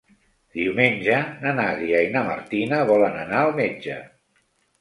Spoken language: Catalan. Diumenge na Nàdia i na Martina volen anar al metge.